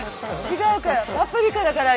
違うから。